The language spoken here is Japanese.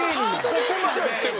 ここまではいってる。